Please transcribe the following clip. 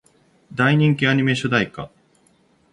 大人気アニメ主題歌